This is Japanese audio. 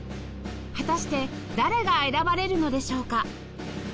果たして誰が選ばれるのでしょうか？